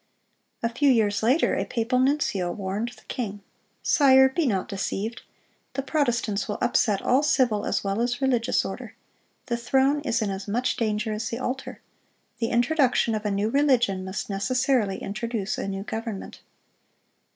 (409) A few years later a papal nuncio warned the king: "Sire, be not deceived. The Protestants will upset all civil as well as religious order.... The throne is in as much danger as the altar.... The introduction of a new religion must necessarily introduce a new government."